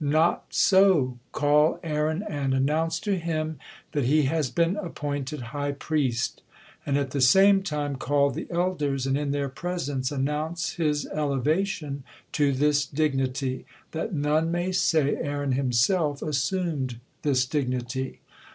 Not so, call Aaron and announce to him that he has been appointed high priest, and at the same time call the elders and in their presence announce his elevation to this dignity, that none may say Aaron himself assumed this dignity."